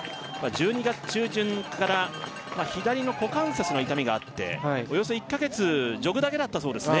１２月中旬から左の股関節の痛みがあっておよそ１カ月ジョグだけだったそうですね